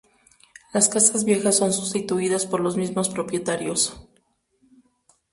Las casas viejas son sustituidas por los mismos propietarios.